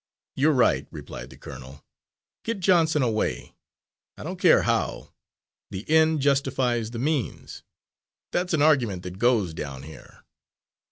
"You're right," replied the colonel. "Get Johnson away, I don't care how. The end justifies the means that's an argument that goes down here.